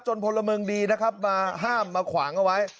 จนผลเมืองดีนะครับห้ามเอาขวางอ่ะไว้